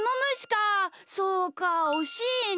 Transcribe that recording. そうかおしいな。